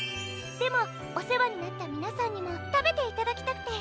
でもおせわになったみなさんにもたべていただきたくて。